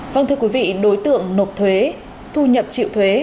vâng thưa quý vị đối tượng nộp thuế thu nhập chịu thuế